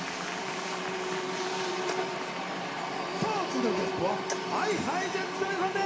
さぁ続いてのゲストはＨｉＨｉＪｅｔｓの皆さんです！